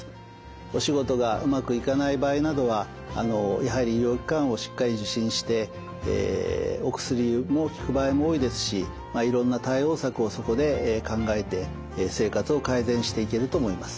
お仕事がうまくいかない場合などはやはり医療機関をしっかり受診してお薬も効く場合も多いですしいろんな対応策をそこで考えて生活を改善していけると思います。